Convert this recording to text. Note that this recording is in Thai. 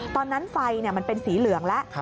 ตอนนั้นไฟมันเป็นสีเหลืองแล้ว